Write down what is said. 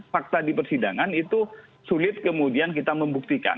fakta di persidangan itu sulit kemudian kita membuktikan